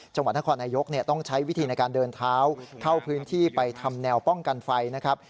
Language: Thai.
จังหวัดนครนายกต้องใช้วิธีในการเดินเท้าเข้าพื้นที่ไปทำแนวป้องกันไฟนะครับ